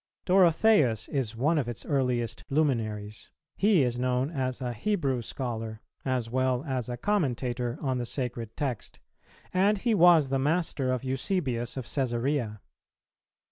Dorotheus is one of its earliest luminaries; he is known as a Hebrew scholar, as well as a commentator on the sacred text, and he was the master of Eusebius of Cæsarea.